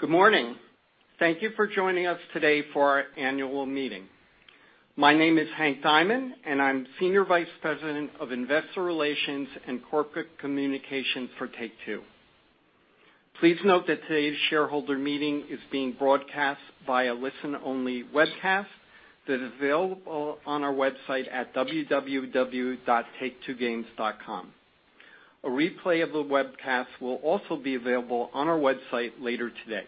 Good morning. Thank you for joining us today for our annual meeting. My name is Hank Diamond, and I'm Senior Vice President of Investor Relations and Corporate Communications for Take-Two. Please note that today's shareholder meeting is being broadcast via listen-only webcast that is available on our website at www.taketwogames.com. A replay of the webcast will also be available on our website later today.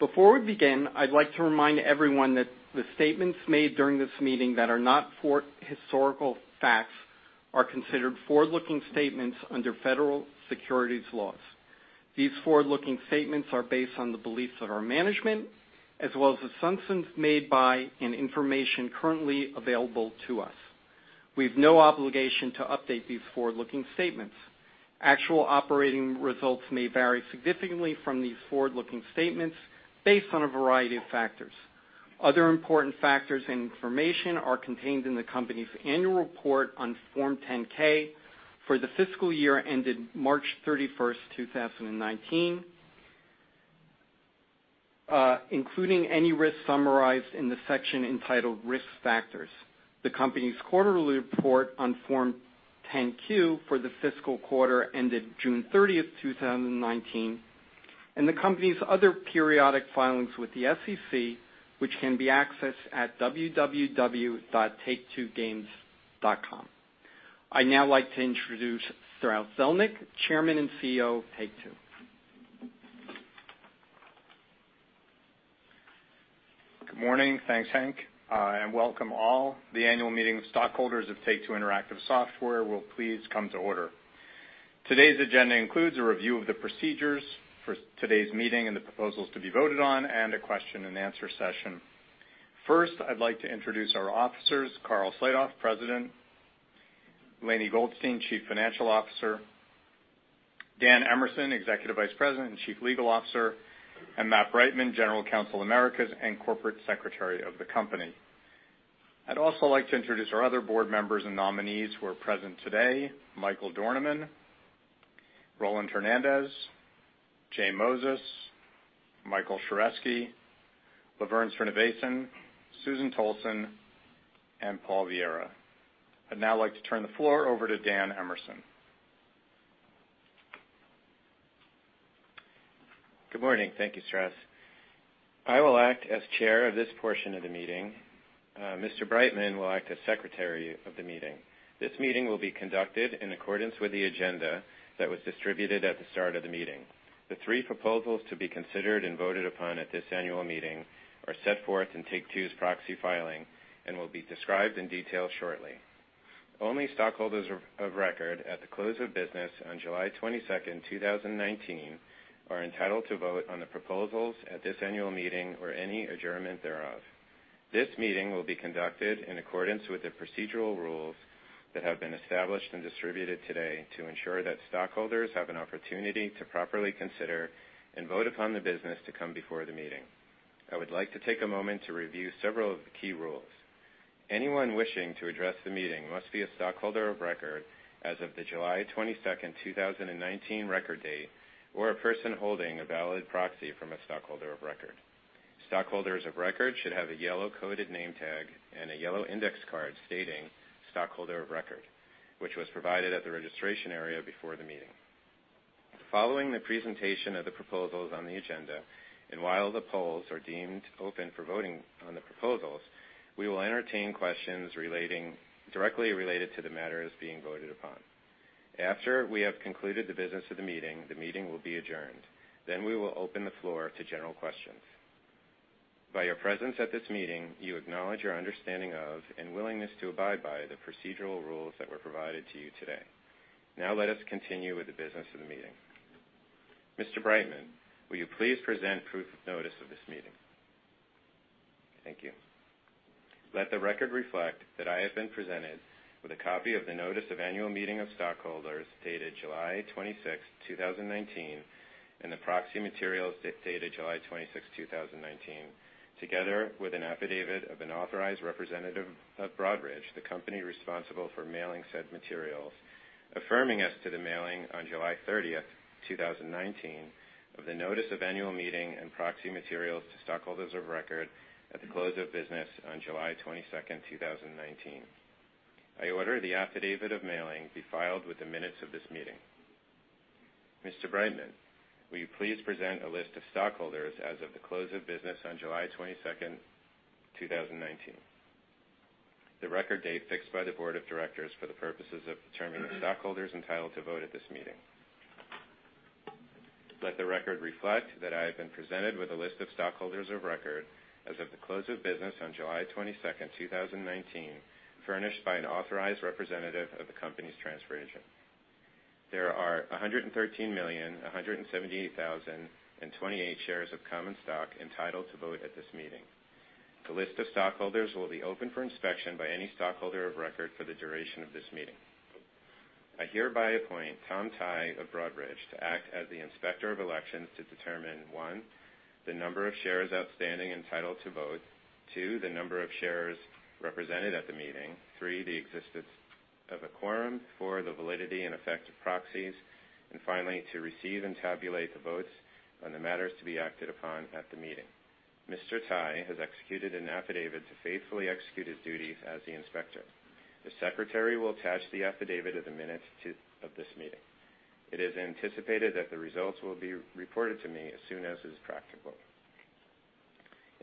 Before we begin, I'd like to remind everyone that the statements made during this meeting that are not for historical facts are considered forward-looking statements under federal securities laws. These forward-looking statements are based on the beliefs of our management, as well as assumptions made by and information currently available to us. We have no obligation to update these forward-looking statements. Actual operating results may vary significantly from these forward-looking statements based on a variety of factors. Other important factors and information are contained in the company's annual report on Form 10-K for the fiscal year ended March 31st, 2019 including any risks summarized in the section entitled Risk Factors. The company's quarterly report on Form 10-Q for the fiscal quarter ended June 30th, 2019, and the company's other periodic filings with the SEC, which can be accessed at www.taketwogames.com. I'd now like to introduce Strauss Zelnick, Chairman and CEO of Take-Two. Good morning. Thanks, Hank. Welcome all. The annual meeting of stockholders of Take-Two Interactive Software will please come to order. Today's agenda includes a review of the procedures for today's meeting and the proposals to be voted on, and a question and answer session. First, I'd like to introduce our officers, Karl Slatoff, President, Lainie Goldstein, Chief Financial Officer, Dan Emerson, Executive Vice President and Chief Legal Officer, and Matt Breitman, General Counsel Americas and Corporate Secretary of the company. I'd also like to introduce our other board members and nominees who are present today, Michael Dornemann, Roland Hernandez, Jay Moses, Michael Sheresky, LaVerne Srinivasan, Susan Tolson, and Paul Viera. I'd now like to turn the floor over to Dan Emerson. Good morning. Thank you, Strauss. I will act as chair of this portion of the meeting. Mr. Breitman will act as secretary of the meeting. This meeting will be conducted in accordance with the agenda that was distributed at the start of the meeting. The three proposals to be considered and voted upon at this annual meeting are set forth in Take-Two's proxy filing and will be described in detail shortly. Only stockholders of record at the close of business on July 22nd, 2019, are entitled to vote on the proposals at this annual meeting or any adjournment thereof. This meeting will be conducted in accordance with the procedural rules that have been established and distributed today to ensure that stockholders have an opportunity to properly consider and vote upon the business to come before the meeting. I would like to take a moment to review several of the key rules. Anyone wishing to address the meeting must be a stockholder of record as of the July 22nd, 2019, record date, or a person holding a valid proxy from a stockholder of record. Stockholders of record should have a yellow coded name tag and a yellow index card stating stockholder of record, which was provided at the registration area before the meeting. Following the presentation of the proposals on the agenda, and while the polls are deemed open for voting on the proposals, we will entertain questions directly related to the matters being voted upon. After we have concluded the business of the meeting, the meeting will be adjourned. We will open the floor to general questions. By your presence at this meeting, you acknowledge your understanding of and willingness to abide by the procedural rules that were provided to you today. Now let us continue with the business of the meeting. Mr. Breitman, will you please present proof of notice of this meeting? Thank you. Let the record reflect that I have been presented with a copy of the Notice of Annual Meeting of Stockholders dated July 26th, 2019, and the proxy materials dated July 26th, 2019, together with an affidavit of an authorized representative of Broadridge, the company responsible for mailing said materials, affirming as to the mailing on July 30th, 2019, of the notice of annual meeting and proxy materials to stockholders of record at the close of business on July 22nd, 2019. I order the affidavit of mailing be filed with the minutes of this meeting. Mr. Breitman, will you please present a list of stockholders as of the close of business on July 22nd, 2019, the record date fixed by the board of directors for the purposes of determining stockholders entitled to vote at this meeting. Let the record reflect that I have been presented with a list of stockholders of record as of the close of business on July 22nd, 2019, furnished by an authorized representative of the company's transfer agent. There are 113,178,028 shares of common stock entitled to vote at this meeting. The list of stockholders will be open for inspection by any stockholder of record for the duration of this meeting. I hereby appoint Tom Tighe of Broadridge to act as the Inspector of Elections to determine 1. The number of shares outstanding entitled to vote. 2. The number of shares represented at the meeting. 3. The existence of a quorum. Four, the validity and effect of proxies. Finally, to receive and tabulate the votes on the matters to be acted upon at the meeting. Mr. Tighe has executed an affidavit to faithfully execute his duties as the inspector. The secretary will attach the affidavit of the minutes of this meeting. It is anticipated that the results will be reported to me as soon as is practical.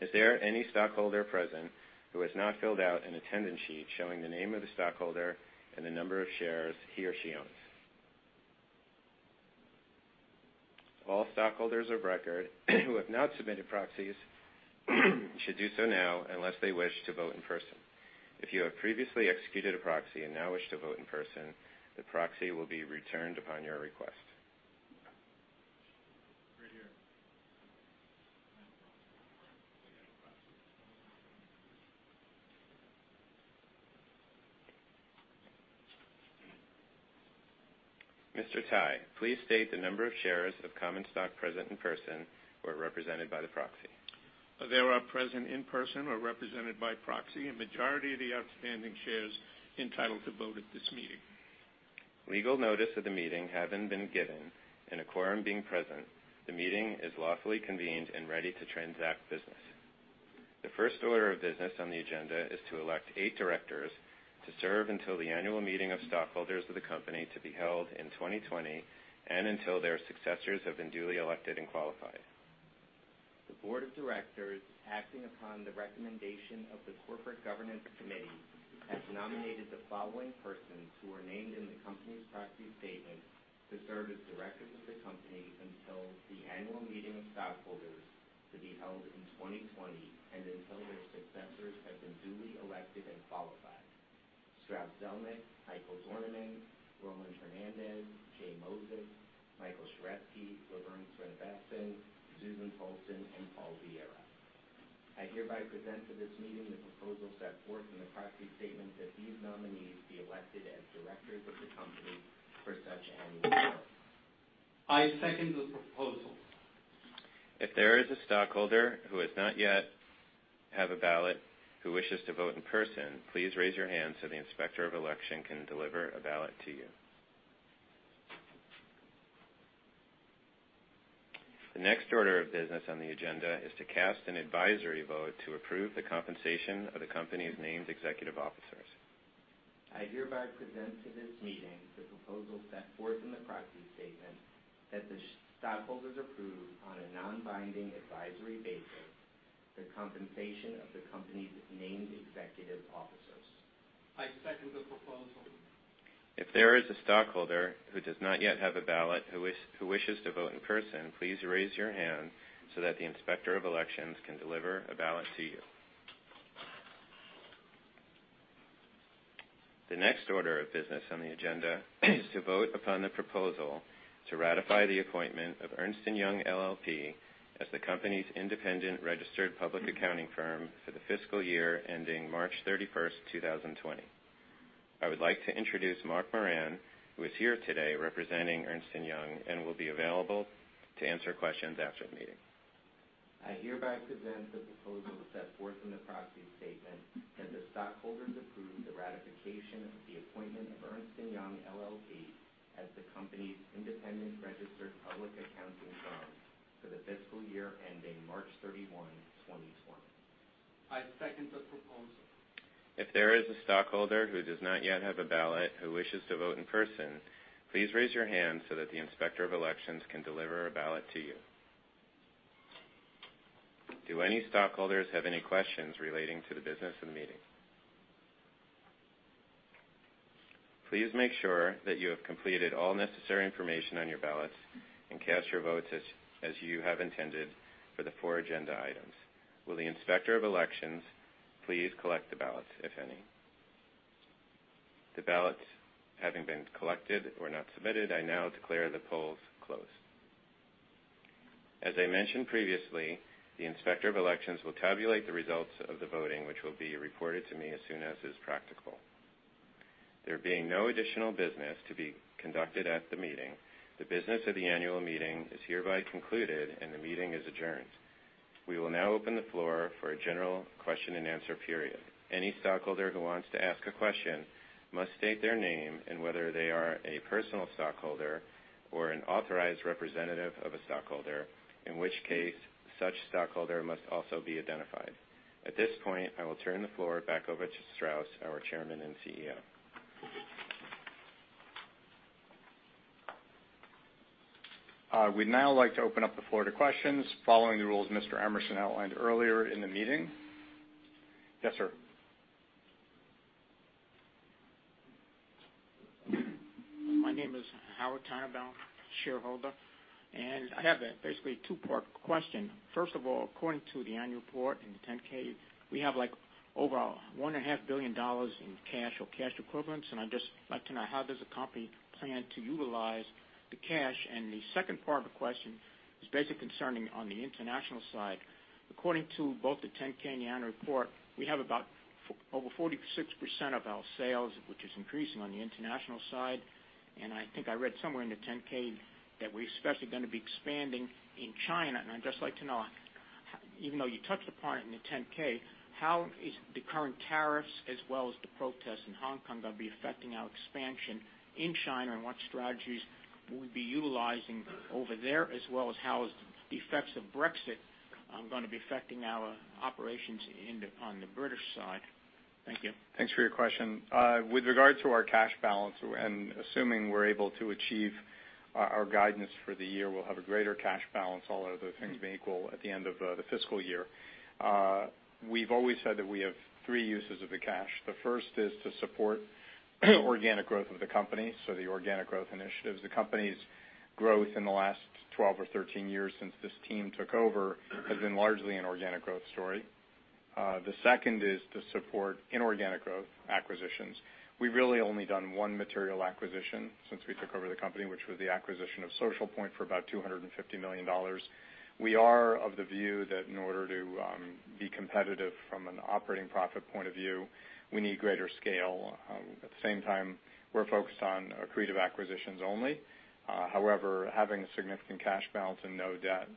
Is there any stockholder present who has not filled out an attendance sheet showing the name of the stockholder and the number of shares he or she owns? All stockholders of record who have not submitted proxies should do so now unless they wish to vote in person. If you have previously executed a proxy and now wish to vote in person, the proxy will be returned upon your request. Right here. Mr. Tighe, please state the number of shares of common stock present in person or represented by the proxy. There are present in person or represented by proxy, a majority of the outstanding shares entitled to vote at this meeting. Legal notice of the meeting having been given and a quorum being present, the meeting is lawfully convened and ready to transact business. The first order of business on the agenda is to elect eight directors to serve until the annual meeting of stockholders of the company to be held in 2020 and until their successors have been duly elected and qualified. The board of directors, acting upon the recommendation of the Corporate Governance Committee, has nominated the following persons who are named in the company's proxy statement to serve as directors of the company until the annual meeting of stockholders to be held in 2020 and until their successors have been duly elected and qualified. Strauss Zelnick, Michael Dornemann, Roland Hernandez, J Moses, Michael Sheresky, LaVerne Srinivasan, Susan Tolson, and Paul Viera. I hereby present to this meeting the proposal set forth in the proxy statement that these nominees be elected as directors of the company for such annual meeting. I second the proposal. If there is a stockholder who does not yet have a ballot who wishes to vote in person, please raise your hand so the Inspector of Election can deliver a ballot to you. The next order of business on the agenda is to cast an advisory vote to approve the compensation of the company's named executive officers. I hereby present to this meeting the proposal set forth in the proxy statement that the stockholders approve on a non-binding advisory basis the compensation of the company's named executive officers. I second the proposal. If there is a stockholder who does not yet have a ballot who wishes to vote in person, please raise your hand so that the Inspector of Elections can deliver a ballot to you. The next order of business on the agenda is to vote upon the proposal to ratify the appointment of Ernst & Young LLP as the company's independent registered public accounting firm for the fiscal year ending March 31st, 2020. I would like to introduce Mark Moran, who is here today representing Ernst & Young and will be available to answer questions after the meeting. I hereby present the proposal set forth in the proxy statement that the stockholders approve the ratification of the appointment of Ernst & Young LLP as the company's independent registered public accounting firm for the fiscal year ending March 31, 2020. I second the proposal. If there is a stockholder who does not yet have a ballot who wishes to vote in person, please raise your hand so that the Inspector of Elections can deliver a ballot to you. Do any stockholders have any questions relating to the business of the meeting? Please make sure that you have completed all necessary information on your ballots and cast your votes as you have intended for the four agenda items. Will the Inspector of Elections please collect the ballots, if any? The ballots having been collected or not submitted, I now declare the polls closed. As I mentioned previously, the Inspector of Elections will tabulate the results of the voting, which will be reported to me as soon as is practical. There being no additional business to be conducted at the meeting, the business of the annual meeting is hereby concluded, and the meeting is adjourned. We will now open the floor for a general question and answer period. Any stockholder who wants to ask a question must state their name and whether they are a personal stockholder or an authorized representative of a stockholder, in which case such stockholder must also be identified. At this point, I will turn the floor back over to Strauss, our Chairman and CEO. We'd now like to open up the floor to questions following the rules Mr. Emerson outlined earlier in the meeting. Yes, sir. My name is Howard Tonebell, shareholder, and I have basically a two-part question. First of all, according to the annual report in the 10-K, we have like over one-and-a-half billion dollars in cash or cash equivalents, and I'd just like to know how does the company plan to utilize the cash? The second part of the question is basically concerning on the international side. According to both the 10-K and the annual report, we have about over 46% of our sales, which is increasing on the international side, and I think I read somewhere in the 10-K that we're especially going to be expanding in China. I'd just like to know, even though you touched upon it in the 10-K, how is the current tariffs as well as the protests in Hong Kong going to be affecting our expansion in China, and what strategies will we be utilizing over there, as well as how is the effects of Brexit going to be affecting our operations on the British side? Thank you. Thanks for your question. With regard to our cash balance, and assuming we're able to achieve our guidance for the year, we'll have a greater cash balance, all other things being equal, at the end of the fiscal year. We've always said that we have three uses of the cash. The first is to support organic growth of the company, so the organic growth initiatives. The company's growth in the last 12 or 13 years since this team took over has been largely an organic growth story. The second is to support inorganic growth acquisitions. We've really only done one material acquisition since we took over the company, which was the acquisition of Social Point for about $250 million. We are of the view that in order to be competitive from an operating profit point of view, we need greater scale. At the same time, we're focused on accretive acquisitions only. However, having a significant cash balance and no debt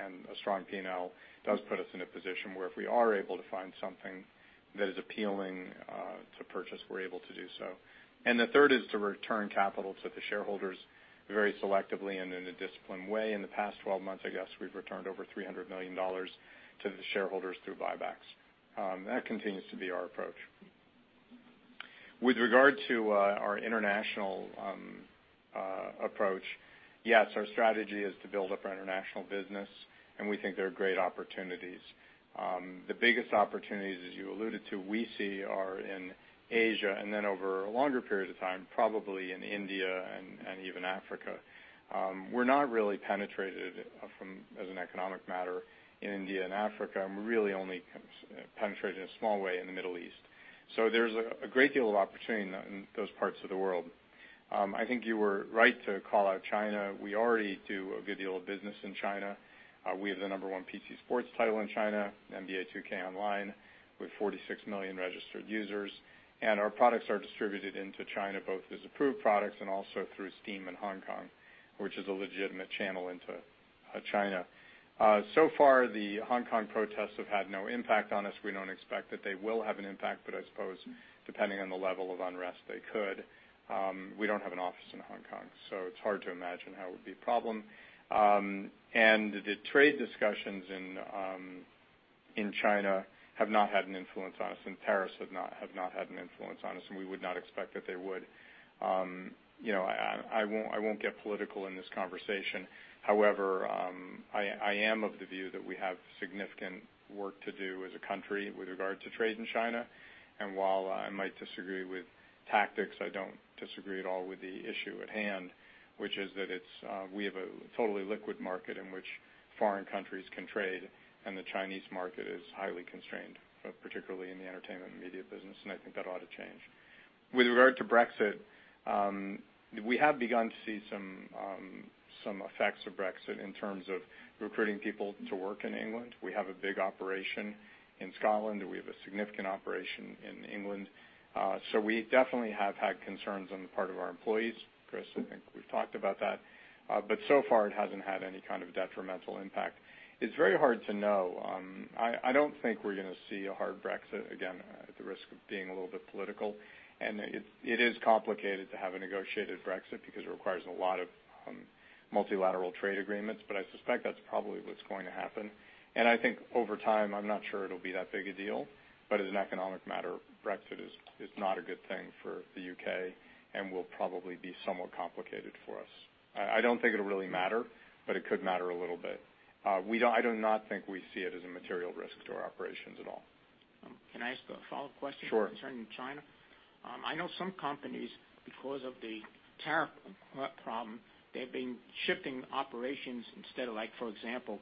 and a strong P&L does put us in a position where if we are able to find something that is appealing to purchase, we're able to do so. The third is to return capital to the shareholders very selectively and in a disciplined way. In the past 12 months, I guess, we've returned over $300 million to the shareholders through buybacks. That continues to be our approach. With regard to our international approach, yes, our strategy is to build up our international business, and we think there are great opportunities. The biggest opportunities, as you alluded to, we see are in Asia, and then over a longer period of time, probably in India and even Africa. We're not really penetrated as an economic matter in India and Africa, and we're really only penetrated in a small way in the Middle East. There's a great deal of opportunity in those parts of the world. I think you were right to call out China. We already do a good deal of business in China. We have the number one PC sports title in China, NBA 2K Online, with 46 million registered users. Our products are distributed into China both as approved products and also through Steam in Hong Kong, which is a legitimate channel into China. So far, the Hong Kong protests have had no impact on us. We don't expect that they will have an impact, but I suppose depending on the level of unrest, they could. We don't have an office in Hong Kong. It's hard to imagine how it would be a problem. The trade discussions in China have not had an influence on us, and tariffs have not had an influence on us, and we would not expect that they would. I won't get political in this conversation. However, I am of the view that we have significant work to do as a country with regard to trade in China. While I might disagree with tactics, I don't disagree at all with the issue at hand, which is that we have a totally liquid market in which foreign countries can trade, and the Chinese market is highly constrained, particularly in the entertainment and media business. I think that ought to change. With regard to Brexit, we have begun to see some effects of Brexit in terms of recruiting people to work in England. We have a big operation in Scotland, we have a significant operation in England. We definitely have had concerns on the part of our employees. Chris, I think we've talked about that. So far it hasn't had any kind of detrimental impact. It's very hard to know. I don't think we're going to see a hard Brexit, again, at the risk of being a little bit political. It is complicated to have a negotiated Brexit because it requires a lot of multilateral trade agreements, I suspect that's probably what's going to happen. I think over time, I'm not sure it'll be that big a deal, but as an economic matter, Brexit is not a good thing for the U.K. and will probably be somewhat complicated for us. I don't think it'll really matter, but it could matter a little bit. I do not think we see it as a material risk to our operations at all. Can I ask a follow-up question? Sure concerning China? I know some companies, because of the tariff problem, they've been shifting operations instead of like, for example,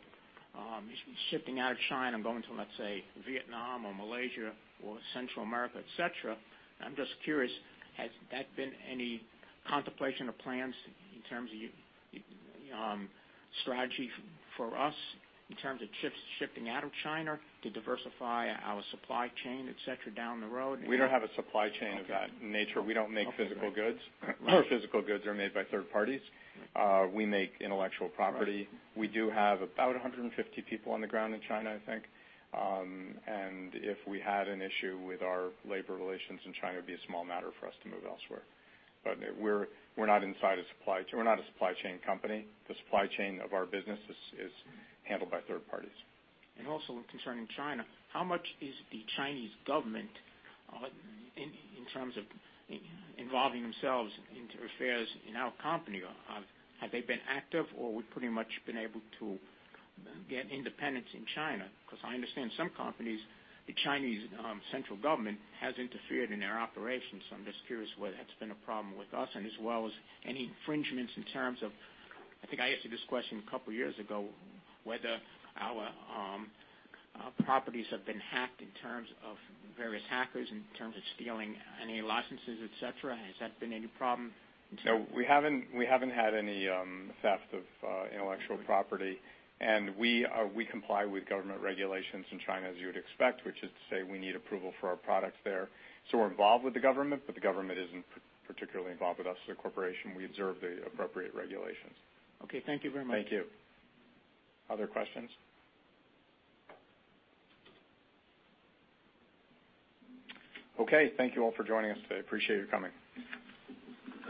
shifting out of China and going to, let's say, Vietnam or Malaysia or Central America, et cetera. I'm just curious, has that been any contemplation or plans in terms of strategy for us in terms of shifting out of China to diversify our supply chain, et cetera, down the road? We don't have a supply chain of that nature. We don't make physical goods. Our physical goods are made by third parties. We make intellectual property. We do have about 150 people on the ground in China, I think. If we had an issue with our labor relations in China, it would be a small matter for us to move elsewhere. We're not a supply chain company. The supply chain of our business is handled by third parties. Also concerning China, how much is the Chinese government in terms of involving themselves into affairs in our company? Have they been active, or we've pretty much been able to get independence in China? I understand some companies, the Chinese central government has interfered in their operations. I'm just curious whether that's been a problem with us and as well as any infringements in terms of, I think I asked you this question a couple of years ago, whether our properties have been hacked in terms of various hackers in terms of stealing any licenses, et cetera. Has that been any problem? No, we haven't had any theft of intellectual property. We comply with government regulations in China as you would expect, which is to say we need approval for our products there. We're involved with the government, but the government isn't particularly involved with us as a corporation. We observe the appropriate regulations. Okay. Thank you very much. Thank you. Other questions? Okay, thank you all for joining us today. Appreciate you coming.